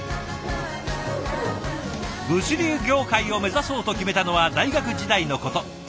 物流業界を目指そうと決めたのは大学時代のこと。